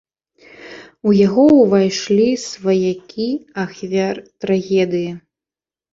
У яго ўвайшлі сваякі ахвяр трагедыі.